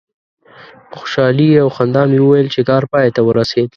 په خوشحالي او خندا مې وویل چې کار پای ته ورسید.